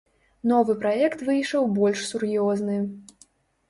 Новы праект выйшаў больш сур'ёзны.